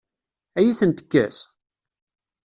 Ad iyi-ten-tekkes?